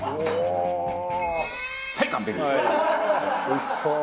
おいしそう。